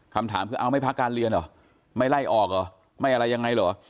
คำถามคือเอาไม่พักการเรียนเหรอไม่ไล่ออกเหรอไม่อะไรยังไงเหรอ